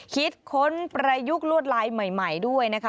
ค้นประยุกต์ลวดลายใหม่ด้วยนะคะ